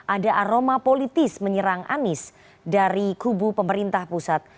ada aroma politis menyerang anies dari kubu pemerintah pusat